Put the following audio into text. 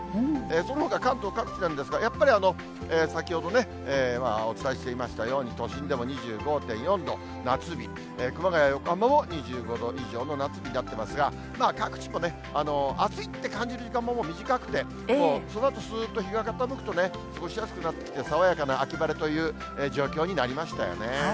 そのほか関東各地なんですが、やっぱり先ほどお伝えしていましたように、都心でも２５．４度、夏日、熊谷、横浜も２５度以上の夏日になっていますが、各地もね、暑いって感じる時間も短くて、もう、そのあとすーっと日が傾くとね、過ごしやすくなってきて爽やかな秋晴れという状況になりましたよね。